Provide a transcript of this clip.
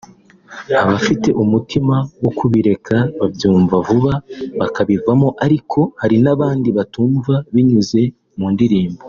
Abafite umutima wo kubireka babyumva vuba bakabivamo ariko hari n’abandi batumva binyuze mu ndirimbo